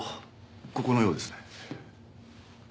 ここのようですね。